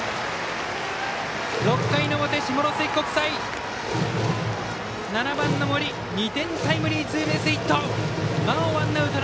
６回の表、下関国際７番の森２点タイムリーツーベースヒット。